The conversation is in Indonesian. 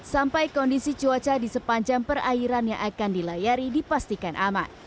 sampai kondisi cuaca di sepanjang perairan yang akan dilayari dipastikan aman